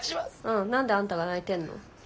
うん何であんたが泣いてんの？